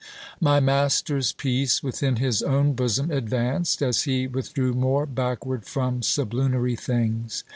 My master's peace within his own bosom advanced, as he withdrew more backward from sublunary things.